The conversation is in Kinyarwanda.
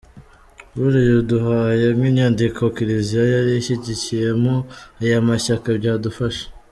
Buriya uduhaye nk’inyandiko Kiliziya yari ishyigikiyemo aya mashyaka byadufasha.